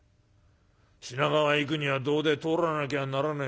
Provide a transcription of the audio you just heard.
品川へ行くにはどうで通らなきゃならねえ